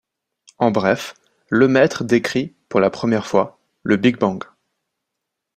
En bref, Lemaître décrit, pour la première fois, le Big Bang.